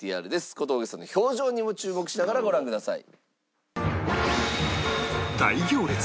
小峠さんの表情にも注目しながらご覧ください。